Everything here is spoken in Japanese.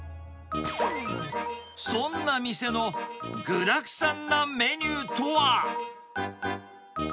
そんな店の具だくさんなメニューとは。